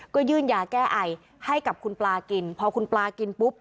ก็ยื่นยาแก้ไอให้กับคุณปลากินพอคุณปลากินปุ๊บ